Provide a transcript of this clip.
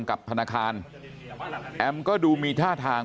กับธนาคารแอมก็ดูมีท่าทาง